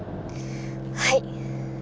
はい。